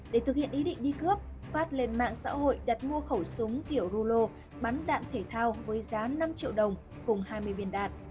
để thực hiện ý định đi cướp phát lên mạng xã hội đặt mua khẩu súng kiểu rulo bắn đạn thể thao với giá năm triệu đồng cùng hai mươi viên đạn